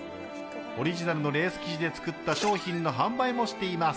オリジナルのレース生地で作った商品の販売もしています。